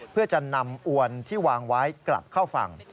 เพื่อจะนำอวนที่วางไว้กลับเข้าฝั่ง